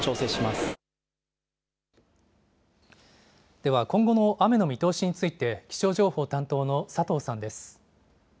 では今後の雨の見通しについて、気象情報担当の佐藤さんです。